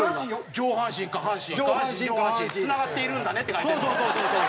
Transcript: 上半身下半身下半身上半身つながっているんだねって書いてるの？